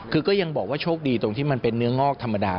คือก็ยังบอกว่าโชคดีตรงที่มันเป็นเนื้องอกธรรมดา